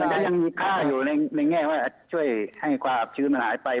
มันก็ยังฆ่าอยู่ในแง่ว่าช่วยให้ความชื้นมันหายไป